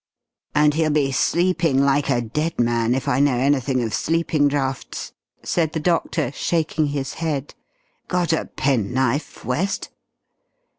"And he'll be sleeping like a dead man, if I know anything of sleeping draughts," said the doctor, shaking his head. "Got a penknife, West?"